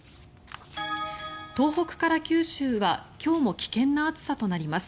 東北から九州は今日も危険な暑さとなります。